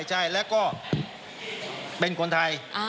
ใช่แล้วก็เป็นคนไทย